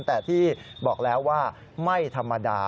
แต่ที่บอกแล้วว่าไม่ธรรมดา